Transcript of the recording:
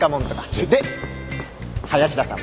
で林田さん。